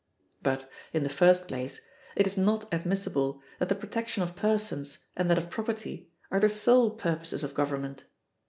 But, in the first place, it is not admissible that the protection of persons and that of property are the sole purposes of government.